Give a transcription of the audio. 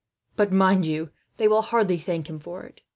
"But mind you, they will hardly thank him for it.